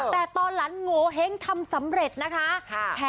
แต่ตอนหลังโงเห้งทำสำเร็จนะคะ